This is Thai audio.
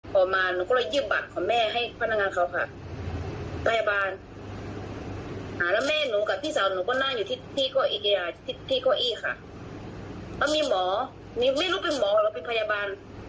พี่เขาอี้ค่ะแล้วมีหมอไม่รู้เป็นหมอหรอกเป็นพยาบาล